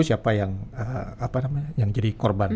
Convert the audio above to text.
siapa yang jadi korban